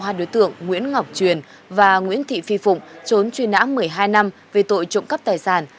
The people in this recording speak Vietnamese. hai đối tượng nguyễn ngọc truyền và nguyễn thị phi phụng trốn truy nã một mươi hai năm về tội trộm cắp tài sản